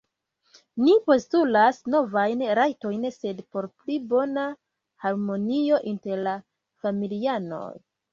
Ni postulas novajn rajtojn, sed por pli bona harmonio inter la familianoj.